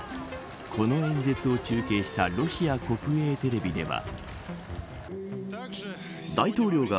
この演説を中継したロシア国営テレビでは。